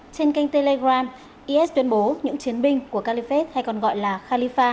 trên kênh telegram is tuyên bố những chiến binh của califest hay còn gọi là khalifa